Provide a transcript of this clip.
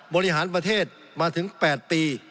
บริหารประเทศมาถึง๘ปี